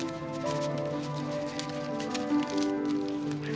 eh bu bu